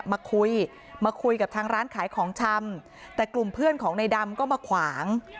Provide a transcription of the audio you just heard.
มาคุยมาคุยกับทางร้านขายของชำแต่กลุ่มเพื่อนของในดำก็มาขวาง